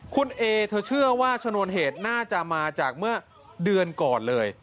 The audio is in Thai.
คุณเอเธอเชื่อว่าชนวนเหตุน่าจะมาจากเมื่อเดือนก่อนเลย